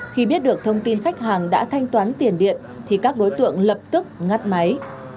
khi biết được thông tin khách hàng đã thanh toán tiền điện thì các đối tượng lập tức ngắt máy